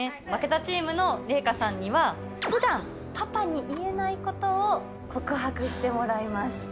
負けたチームの麗禾さんにはふだんパパに言えないことを告白してもらいます。